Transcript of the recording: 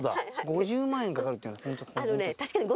５０万円かかるっていうのはほんと。